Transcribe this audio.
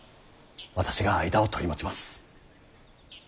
私が間を取り持ちます。